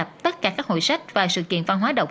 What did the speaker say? mà tất cả các hàng hóa khác